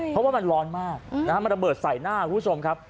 เพราะว่ามันร้อนมากมันระเบิดใส่หน้าคุณผู้ชมครับ